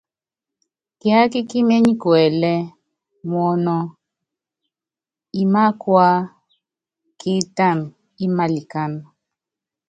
Kiákí kí mɛnyikuɛlɛ, muɔnɔ́, ima̰kúa kiptama ímalikɛ́n.